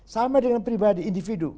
sama dengan pribadi individu